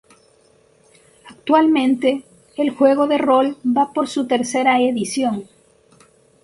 Actualmente el juego de rol va por su tercera edición.